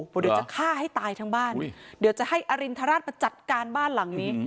เดี๋ยวจะฆ่าให้ตายทั้งบ้านเดี๋ยวจะให้อรินทราชมาจัดการบ้านหลังนี้